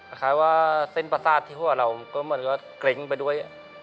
คล้ายว่าเส้นประสาทที่หัวเราก็เหมือนก็เกร็งไปด้วย